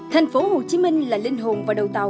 thành phố hồ chí minh là linh hồn và đầu tàu